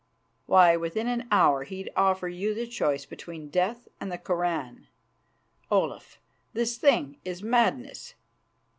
Why, within an hour he'd offer you the choice between death and the Koran. Olaf, this thing is madness."